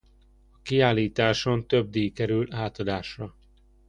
A kiállításon több díj kerül átadásra.